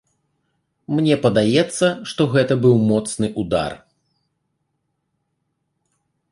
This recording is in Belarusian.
Мне падаецца, што гэта быў моцны ўдар.